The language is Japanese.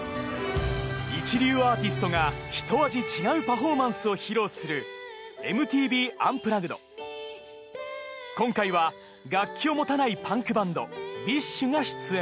一流アーティストがひと味違うパフォーマンスを披露する『ＭＴＶＵｎｐｌｕｇｇｅｄ：』今回は楽器を持たないパンクバンド ＢｉＳＨ が出演